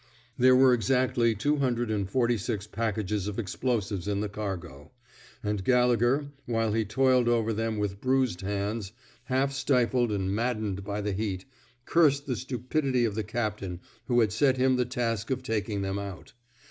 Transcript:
There were exactly two hundred and forty six packages of explosives in the cargo; and Gallegher, while he toiled over them with bruised hands, half stifled and mad dened by the heat, cursed the stupidity of 41 THE SMOKE EATERS the captain who had set him the task of taking them out.